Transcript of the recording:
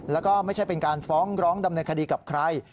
แล้วก็ไม่ใช่เป็นการฟ้องร้องดำเนินคดีกับใคร